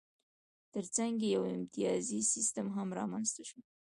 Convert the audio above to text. ترڅنګ یې یو امتیازي سیستم هم رامنځته شو.